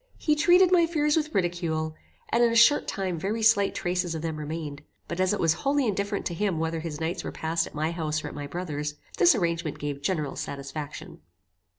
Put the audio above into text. He treated my fears with ridicule, and in a short time very slight traces of them remained: but as it was wholly indifferent to him whether his nights were passed at my house or at my brother's, this arrangement gave general satisfaction.